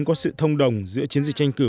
có sự thông đồng giữa chiến dịch tranh cử